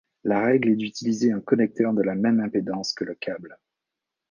La règle est d' utiliser un connecteur de la même impédance que le câble.